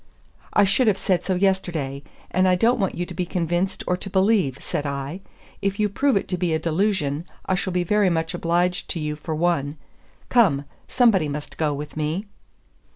"I should have said so yesterday; and I don't want you to be convinced or to believe," said I. "If you prove it to be a delusion, I shall be very much obliged to you for one. Come; somebody must go with me."